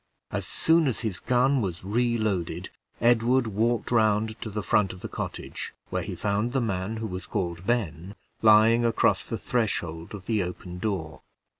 As soon as his gun was reloaded, Edward walked round to the front of the cottage, where he found the man who was called Ben, lying across the threshold of the open door.